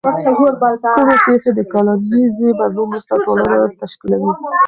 کومې پیښې د کلنیزې بدلون وروسته ټولنه تشکیلوي؟